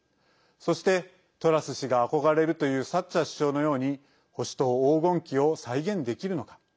そして、トラス氏が憧れるというサッチャー首相のように保守党黄金期を再現できるのか。